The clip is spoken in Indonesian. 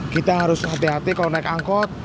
kita harus hati hati kalau naik angkot